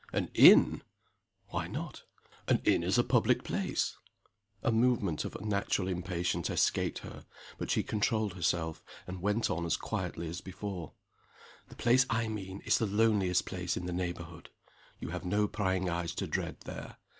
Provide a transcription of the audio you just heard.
"An inn!" "Why not?" "An inn is a public place." A movement of natural impatience escaped her but she controlled herself, and went on as quietly as before: "The place I mean is the loneliest place in the neighborhood. You have no prying eyes to dread there.